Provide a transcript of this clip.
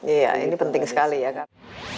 iya ini penting sekali ya kan